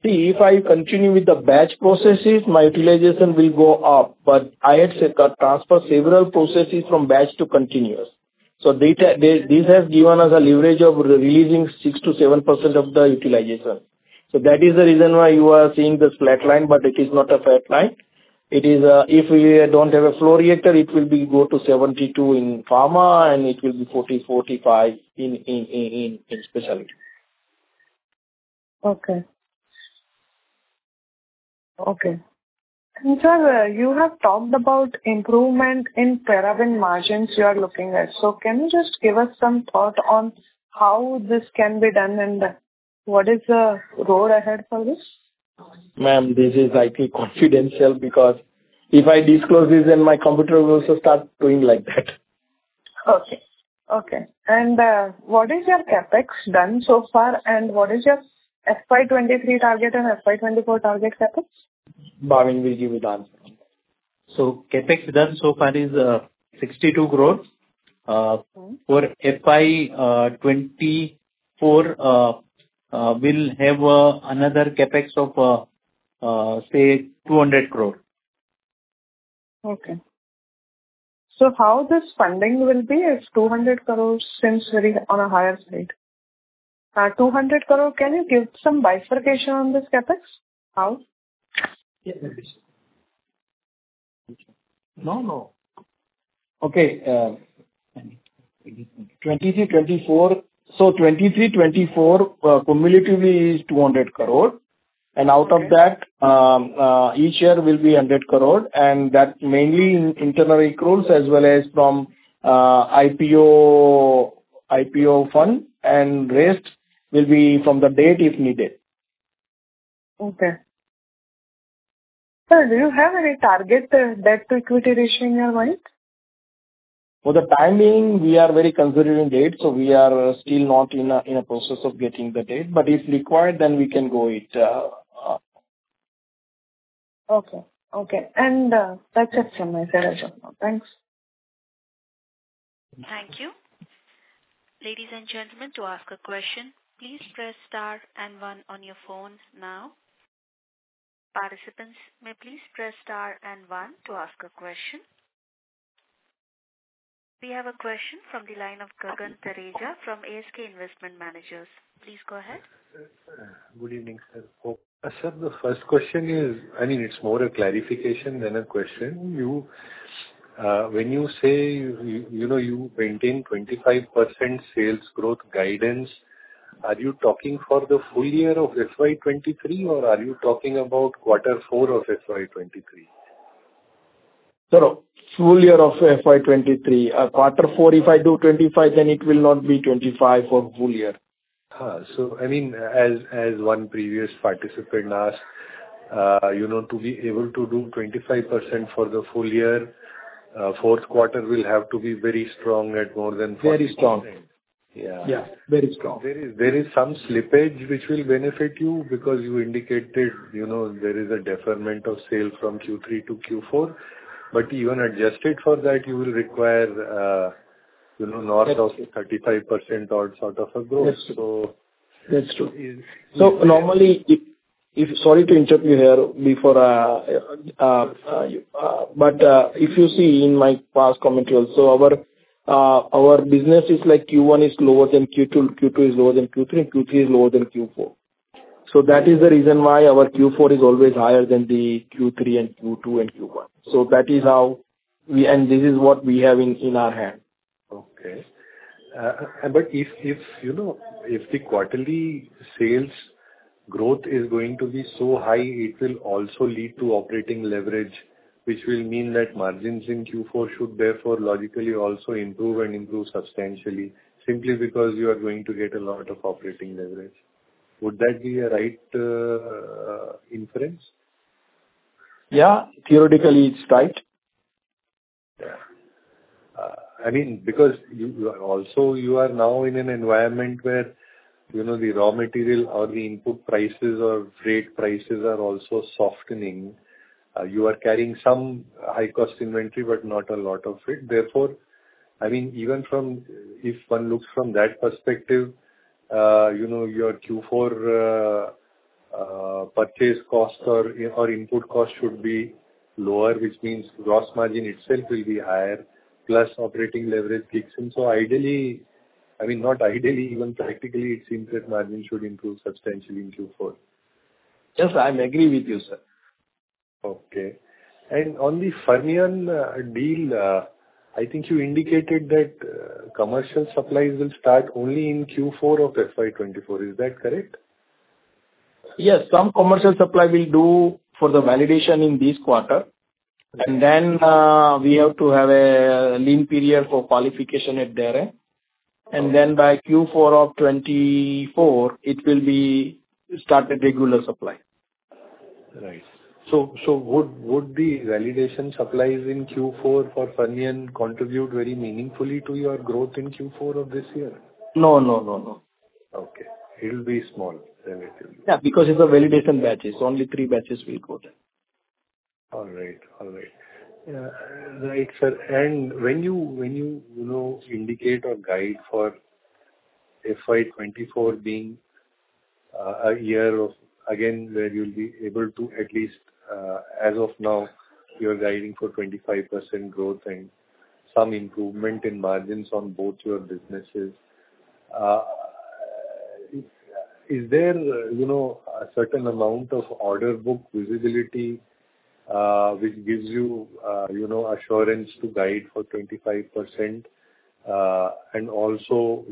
See, if I continue with the batch processes, my utilization will go up, but I had transferred several processes from batch to continuous. So, this has given us a leverage of releasing 6%-7% of the utilization. So, that is the reason why you are seeing this flat line, but it is not a flat line. If we don't have a flow reactor, it will go to 72 in pharma, and it will be 40-45 in specialty. Okay. Okay. Sir, you have talked about improvement in paraben margins you are looking at. Can you just give us some thought on how this can be done, and what is the road ahead for this? Ma'am, this is highly confidential because if I disclose this in my computer, we also start doing like that. Okay. Okay. What is your CapEx done so far, and what is your FY23 target and FY24 target CapEx? Bhavin will give you the answer on that. So, CapEx done so far is 62 crores. For FY24, we'll have another CapEx of, say, 200 crores. Okay. So, how this funding will be if 200 crores seems very on a higher side? 200 crores, can you give some bifurcation on this CapEx? How? Yes, sir. No, no. Okay. 2023, 2024. So, 2023, 2024 cumulatively is 200 crore, and out of that, each year will be 100 crore, and that mainly in internal accruals as well as from IPO fund, and rest will be from the debt if needed. Okay. Sir, do you have any target debt to equity ratio in your mind? For the time being, we are very considering debt, so we are still not in a process of getting the debt. But if required, then we can go with it. Okay. Okay. That's it from me, sir. Thanks. Thank you. Ladies and gentlemen, to ask a question, please press star and one on your phone now. Participants, may please press star and one to ask a question. We have a question from the line of Gagan Thareja from ASK Investment Managers. Please go ahead. Good evening, sir. Sir, the first question is, I mean, it's more a clarification than a question. When you say you maintain 25% sales growth guidance, are you talking for the full year of FY23, or are you talking about quarter four of FY23? Sir, full year of FY23. Quarter four, if I do 25, then it will not be 25 for full year. So, I mean, as one previous participant asked, to be able to do 25% for the full year, fourth quarter will have to be very strong at more than 40%. Very strong. Yeah. Very strong. There is some slippage which will benefit you because you indicated there is a deferment of sale from Q3 to Q4, but even adjusted for that, you will require north of 35% or sort of a growth. So. That's true. That's true. So, normally, sorry to interrupt you here before, but if you see in my past commentary, so our business is like Q1 is lower than Q2, Q2 is lower than Q3, and Q3 is lower than Q4. So, that is the reason why our Q4 is always higher than the Q3 and Q2 and Q1. So, that is how we and this is what we have in our hand. Okay. But if the quarterly sales growth is going to be so high, it will also lead to operating leverage, which will mean that margins in Q4 should therefore logically also improve and improve substantially simply because you are going to get a lot of operating leverage. Would that be a right inference? Yeah, theoretically, it's right. Yeah. I mean, because also, you are now in an environment where the raw material or the input prices or rate prices are also softening. You are carrying some high-cost inventory but not a lot of it. Therefore, I mean, even if one looks from that perspective, your Q4 purchase cost or input cost should be lower, which means gross margin itself will be higher plus operating leverage kicks in. So, ideally, I mean, not ideally, even practically, it seems that margin should improve substantially in Q4. Yes, I'm agreeing with you, sir. Okay. On the Fermion deal, I think you indicated that commercial supplies will start only in Q4 of FY2024. Is that correct? Yes. Some commercial supply will do for the validation in this quarter, and then we have to have a lean period for qualification at their end. Then by Q4 of 2024, it will be started regular supply. Right. So, would the validation supplies in Q4 for Fermion contribute very meaningfully to your growth in Q4 of this year? No, no, no, no. Okay. It will be small relatively. Yeah, because it's a validation batch. It's only three batches we'll go there. All right. All right. Right, sir. And when you indicate or guide for FY24 being a year of, again, where you'll be able to at least as of now, you're guiding for 25% growth and some improvement in margins on both your businesses, is there a certain amount of order book visibility which gives you assurance to guide for 25%? And also,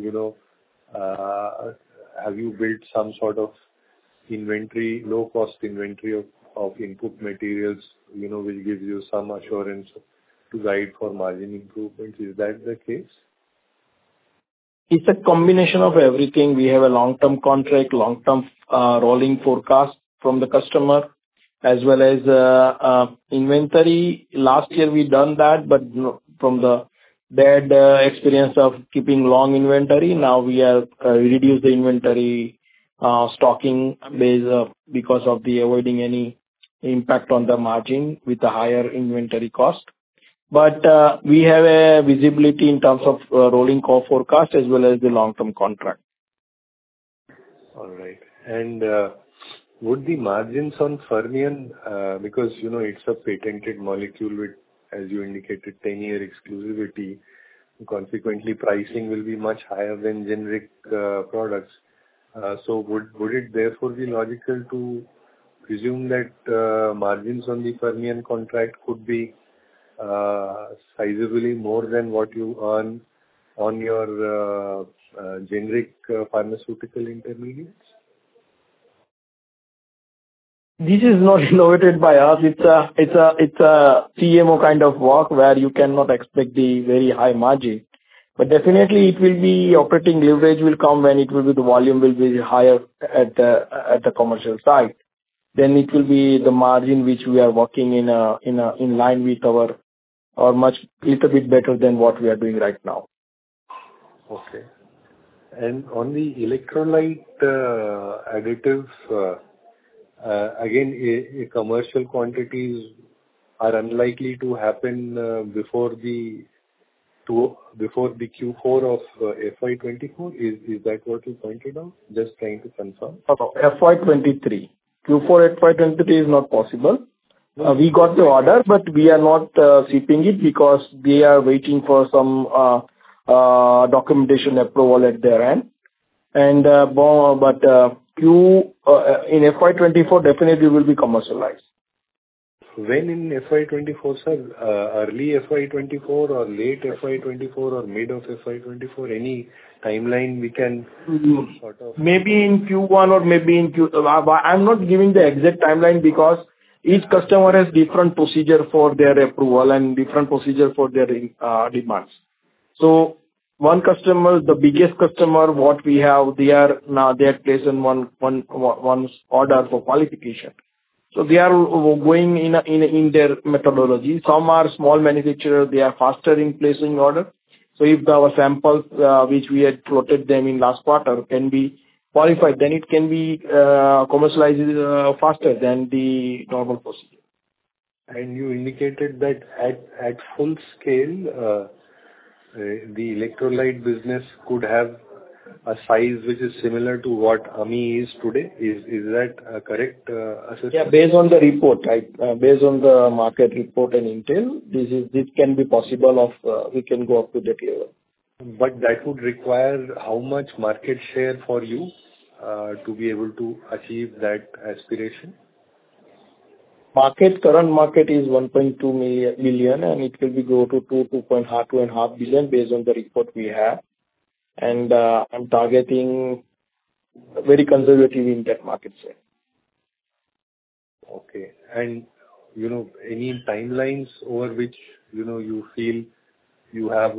have you built some sort of low-cost inventory of input materials which gives you some assurance to guide for margin improvements? Is that the case? It's a combination of everything. We have a long-term contract, long-term rolling forecast from the customer as well as inventory. Last year, we done that, but from the bad experience of keeping long inventory, now we have reduced the inventory stocking because of avoiding any impact on the margin with the higher inventory cost. But we have visibility in terms of rolling call forecast as well as the long-term contract. All right. Would the margins on Fermion because it's a patented molecule with, as you indicated, 10-year exclusivity, consequently, pricing will be much higher than generic products? So, would it therefore be logical to presume that margins on the Fermion contract could be sizably more than what you earn on your generic pharmaceutical intermediates? This is not innovated by us. It's a CMO kind of work where you cannot expect the very high margin. But definitely, it will be operating leverage will come when it will be the volume will be higher at the commercial side. Then it will be the margin which we are working in line with our or a little bit better than what we are doing right now. Okay. And on the electrolyte additives, again, commercial quantities are unlikely to happen before the Q4 of FY24. Is that what you pointed out? Just trying to confirm. FY23. Q4 FY23 is not possible. We got the order, but we are not shipping it because they are waiting for some documentation approval at their end. In FY24, definitely, it will be commercialized. When in FY2024, sir? Early FY2024 or late FY2024 or mid of FY2024? Any timeline we can sort of? Maybe in Q1 or maybe in Q. I'm not giving the exact timeline because each customer has different procedure for their approval and different procedure for their demands. So, one customer, the biggest customer what we have, they have placed an order for qualification. So, they are going in their methodology. Some are small manufacturers. They are faster in placing order. So, if our samples which we had floated them in last quarter can be qualified, then it can be commercialized faster than the normal procedure. You indicated that at full scale, the electrolyte business could have a size which is similar to what Ami is today. Is that a correct assessment? Yeah, based on the report, right? Based on the market report and intel, this can be possible if we can go up to that level. But that would require how much market share for you to be able to achieve that aspiration? Current market is $1.2 million, and it will go to $2.2 and a half billion based on the report we have. I'm targeting very conservative in that market share. Okay. And any timelines over which you feel you have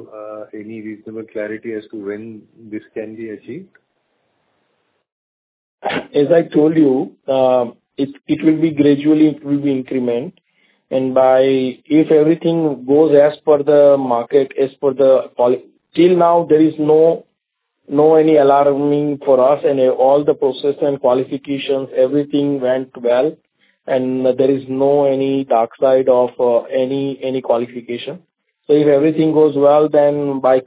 any reasonable clarity as to when this can be achieved? As I told you, it will be gradually. It will be increment. And if everything goes as per the market, as per the till now, there is no any alarming for us, and all the process and qualifications, everything went well, and there is no any dark side of any qualification. So, if everything goes well, then by year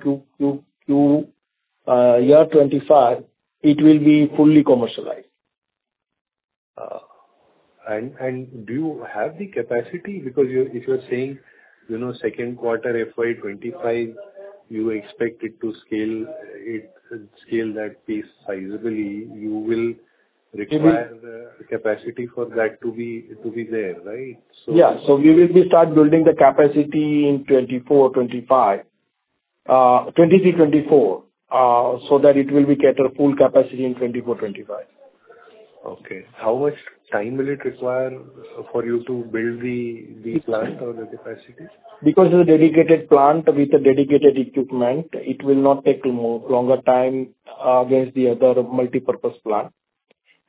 2025, it will be fully commercialized. Do you have the capacity because if you're saying second quarter FY25, you expect it to scale that piece sizably, you will require the capacity for that to be there, right? So. Yeah. So, we will start building the capacity in 2023, 2024 so that it will be get a full capacity in 2024, 2025. Okay. How much time will it require for you to build the plant or the capacity? Because it's a dedicated plant with a dedicated equipment, it will not take longer time against the other multipurpose plant.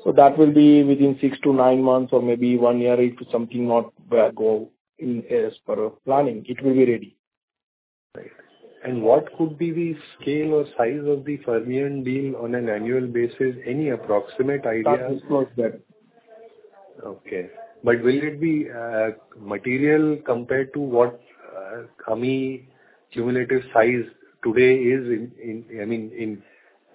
So, that will be within 6-9 months or maybe 1 year if something not go as per planning. It will be ready. Right. And what could be the scale or size of the Fermion deal on an annual basis? Any approximate idea? Start to close that. Okay. But will it be material compared to what Ami cumulative size today is in? I mean,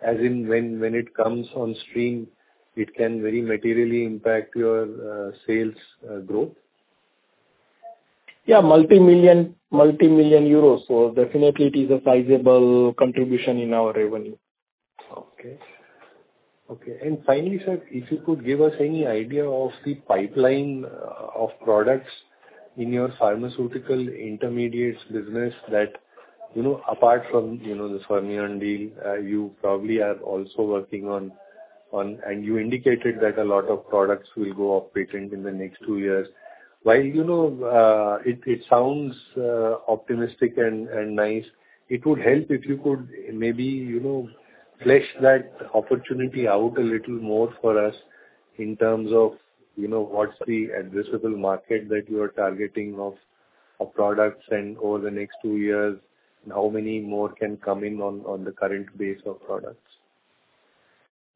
as in when it comes on stream, it can very materially impact your sales growth? Yeah, multi-million EUR. So, definitely, it is a sizable contribution in our revenue. Okay. Okay. And finally, sir, if you could give us any idea of the pipeline of products in your pharmaceutical intermediates business that apart from the Fermion deal, you probably are also working on and you indicated that a lot of products will go off patent in the next two years. While it sounds optimistic and nice, it would help if you could maybe flesh that opportunity out a little more for us in terms of what's the addressable market that you are targeting of products over the next two years and how many more can come in on the current base of products.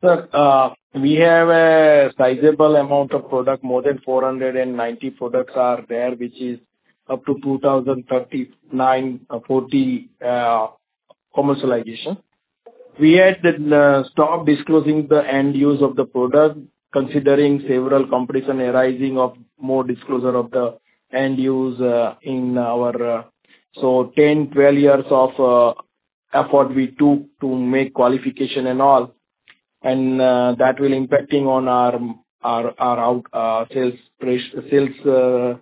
Sir, we have a sizable amount of product. More than 490 products are there, which is up to 2,040 commercialization. We had stopped disclosing the end use of the product considering several competition arising of more disclosure of the end use in our so 10, 12 years of effort we took to make qualification and all, and that will be impacting on our sales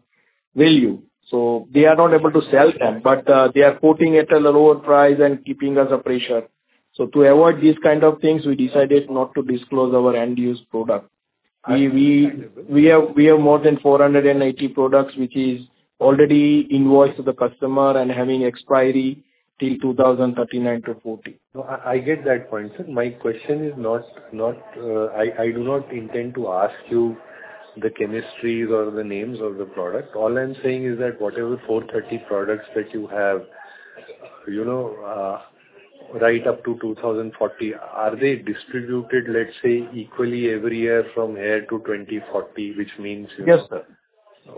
value. So, they are not able to sell them, but they are quoting it at a lower price and keeping us a pressure. So, to avoid these kind of things, we decided not to disclose our end use product. We have more than 480 products, which is already invoiced to the customer and having expiry till 2039 to 2040. I get that point, sir. My question is not I do not intend to ask you the chemistries or the names of the product. All I'm saying is that whatever 430 products that you have right up to 2040, are they distributed, let's say, equally every year from here to 2040, which means over a period of time? Yes, sir.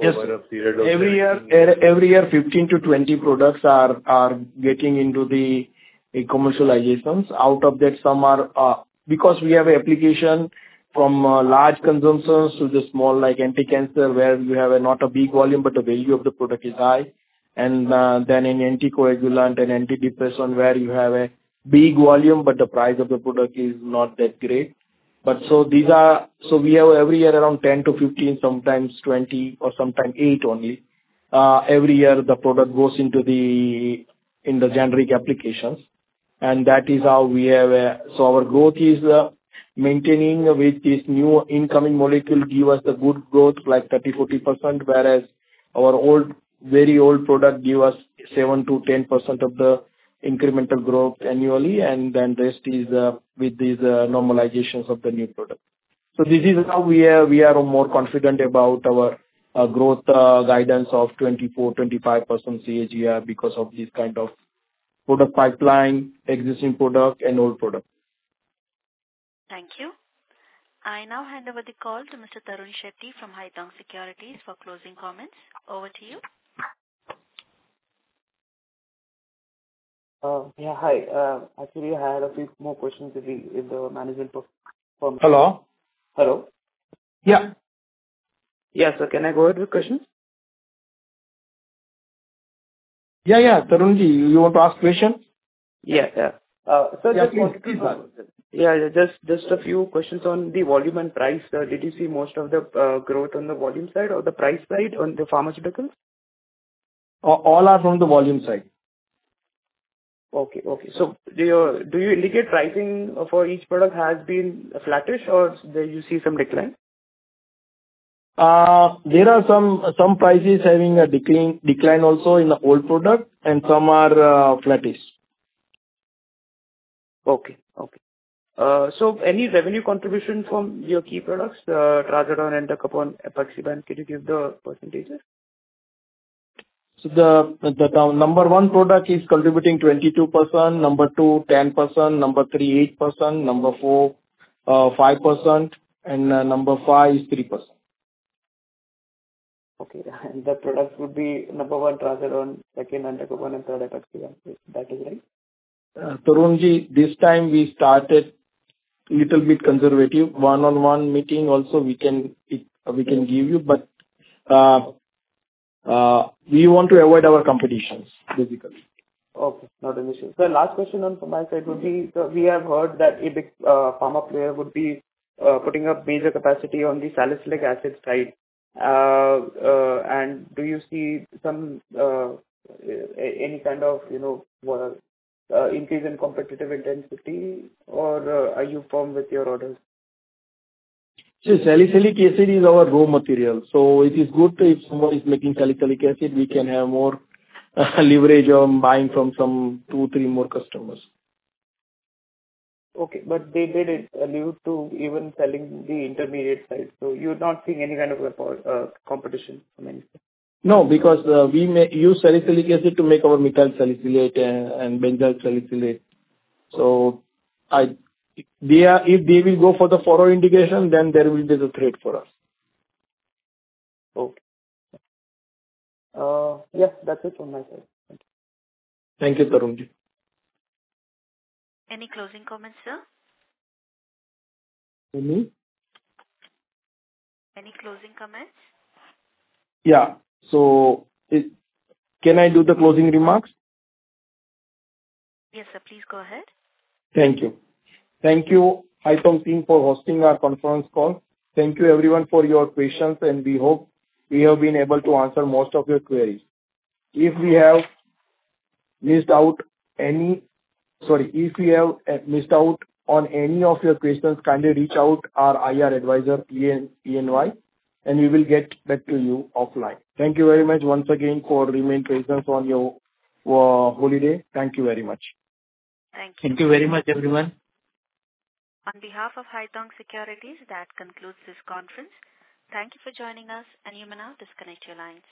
Every year, 15-20 products are getting into the commercializations. Out of that, some are because we have application from large consumptions to the small like anticancer where you have not a big volume, but the value of the product is high. And then in anticoagulant and antidepressant where you have a big volume, but the price of the product is not that great. But so, these are so we have every year around 10-15, sometimes 20, or sometimes 8 only. Every year, the product goes into the generic applications, and that is how we have a so our growth is maintaining with this new incoming molecule give us the good growth like 30%-40%, whereas our very old product give us 7%-10% of the incremental growth annually, and then the rest is with these normalizations of the new product. This is how we are more confident about our growth guidance of 24%-25% CAGR because of this kind of product pipeline, existing product, and old product. Thank you. I now hand over the call to Mr. Tarun Shetty from Haitong Securities for closing comments. Over to you. Yeah. Hi. Actually, I had a few more questions in the management. Hello? Hello? Yeah. Yes, sir. Can I go ahead with questions? Yeah, yeah. Tarun ji, you want to ask question? Yeah, yeah. Sir, just a few questions. Yeah, just a few questions on the volume and price. Did you see most of the growth on the volume side or the price side on the pharmaceuticals? All are from the volume side. Okay. Okay. So, do you indicate pricing for each product has been flattish, or do you see some decline? There are some prices having a decline also in the old product, and some are flattish. Okay. Okay. So, any revenue contribution from your key products, trazodone and entacapone apixaban? Can you give the percentages? So, the number one product is contributing 22%, number two, 10%, number three, 8%, number four, 5%, and number five is 3%. Okay. And the products would be number one trazodone, second entacapone, and third apixaban. That is right? Tarun ji, this time, we started a little bit conservative. One-on-one meeting also, we can give you, but we want to avoid our competitors, basically. Okay. Not an issue. Sir, last question on my side would be sir, we have heard that a big pharma player would be putting up major capacity on the salicylic acid side. Do you see any kind of increase in competitive intensity, or are you firm with your orders? Sir, salicylic acid is our raw material. So, it is good if somebody is making salicylic acid, we can have more leverage on buying from two, three more customers. Okay. But they did allude to even selling the intermediate side. So, you're not seeing any kind of competition from any side? No, because we use salicylic acid to make our methyl salicylate and benzyl salicylate. So, if they will go for the follow-up integration, then there will be the threat for us. Okay. Yeah, that's it from my side. Thank you. Thank you, Tarun ji. Any closing comments, sir? Any? Any closing comments? Yeah. So, can I do the closing remarks? Yes, sir. Please go ahead. Thank you. Thank you, Haitong team, for hosting our conference call. Thank you, everyone, for your questions, and we hope we have been able to answer most of your queries. If we have missed out, sorry, if we have missed out on any of your questions, kindly reach out to our IR advisor, EY, and we will get back to you offline. Thank you very much once again for remaining patient on your holiday. Thank you very much. Thank you. Thank you very much, everyone. On behalf of Haitong Securities, that concludes this conference. Thank you for joining us, and you may now disconnect your lines.